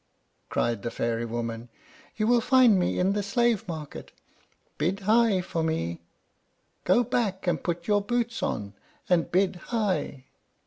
cried the fairy woman. "You will find me in the slave market. Bid high for me. Go back and put your boots on, and bid high."